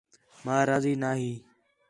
ماں راضی نہ ہی